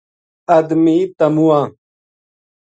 ادمی تمواں